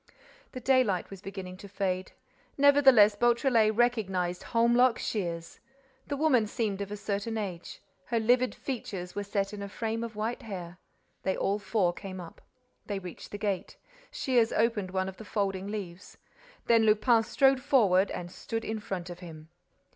The daylight was beginning to fade. Nevertheless, Beautrelet recognized Holmlock Shears. The woman seemed of a certain age. Her livid features were set in a frame of white hair. They all four came up. They reached the gate. Shears opened one of the folding leaves. Then Lupin strode forward and stood in front of him.